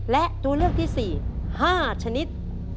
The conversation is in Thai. และตัวเลือกที่สี่ห้าชนิด